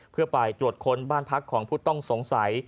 เพื่อไปตรวจค้นบ้านพักของผู้ต้องสงสัย